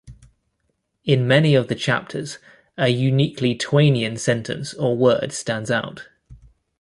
In many of the chapters, a uniquely "Twainian" sentence or word stands out.